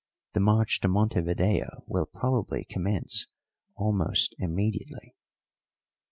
The march to Montevideo will probably commence almost immediately."